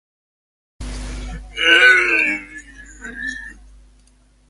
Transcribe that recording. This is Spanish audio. Se localiza en la microrregión de Valencia del Piauí, mesorregión del Centro-Norte Piauiense.